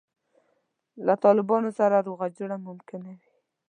له طالبانو سره روغه جوړه ممکنه وي.